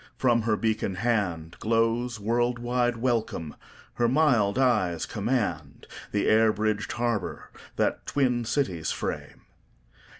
From her beacon handGlows world wide welcome; her mild eyes commandThe air bridged harbour that twin cities frame.